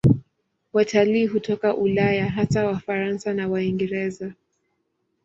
Watalii hutoka Ulaya, hasa Wafaransa na Waingereza.